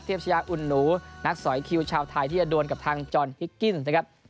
ชญาอุ่นหนูนักสอยคิวชาวไทยที่จะดวนกับทางจอนฮิกกิ้นนะครับ